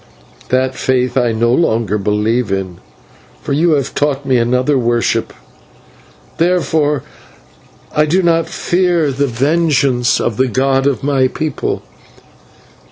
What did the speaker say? That faith I no longer believe in, for you have taught me another worship, therefore I do not fear the vengeance of the god of my people.